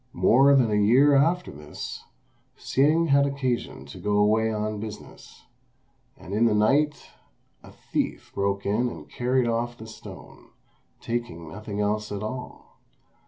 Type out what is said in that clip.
More than a year after this, Hsing had occasion to go away on business, and in the night a thief broke in and carried off the stone, taking nothing else at all.